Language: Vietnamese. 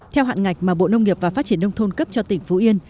theo hạn ngạch mà bộ nông nghiệp và phát triển nông thôn cấp cho tỉnh phú yên